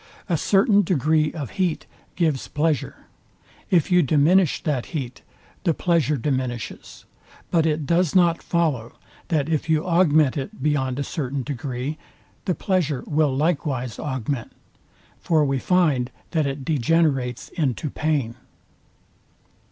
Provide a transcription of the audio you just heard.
A certain degree of heat gives pleasure; if you diminish that heat, the pleasure diminishes; but it does not follow, that if you augment it beyond a certain degree, the pleasure will likewise augment; for we find that it degenerates into pain.